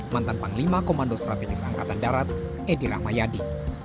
mantan panglima komando strategis angkatan darat edi rahmayadi